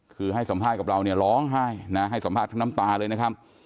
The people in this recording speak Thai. คือให้สัมภาษณ์กับเราเนี่ยร้องไห้นะให้สัมภาษณ์ทั้งน้ำตาเลยนะครับ